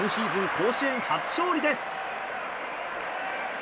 甲子園初勝利です。